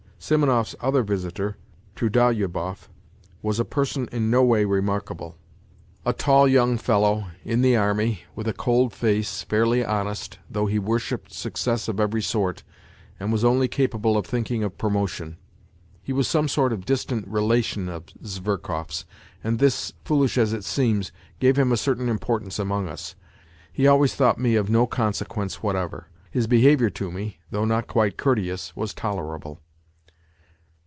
Simonov's other visitor, Trudolyubov, was a person in no way NOTES FROM UNDERGROUND 99 remarkable a tall young fellow, in the army, with a cold face, fairly honest, though he worshipped success of every sort, and was only capable of thinking of promotion. He was some sort of distant relation of Zverkov^s, and this, foolish as it seems, gave him a certain importance among us. He always thought me of no consequence whatever; his behaviour to me, though not quite courteous, was tolerable.